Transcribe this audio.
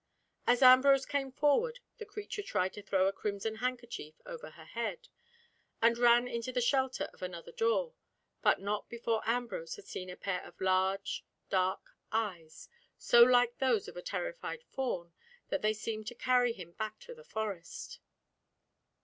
As Ambrose came forward the creature tried to throw a crimson handkerchief over her head, and ran into the shelter of another door, but not before Ambrose had seen a pair of large dark eyes so like those of a terrified fawn that they seemed to carry him back to the Forest.